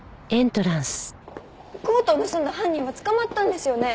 コートを盗んだ犯人は捕まったんですよね？